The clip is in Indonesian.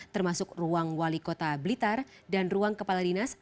termasuk ruang wali kota blitar dan ruang kepala dinas